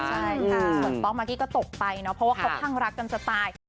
ส่วนต๊อกมากี้ก็ตกไปเพราะเขาพังรักกันสตาย